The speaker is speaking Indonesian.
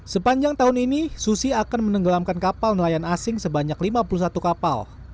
sepanjang tahun ini susi akan menenggelamkan kapal nelayan asing sebanyak lima puluh satu kapal